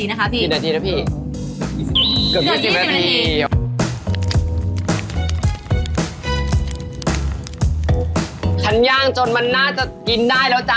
งั้นเดี๋ยวหนูไปย่างถาด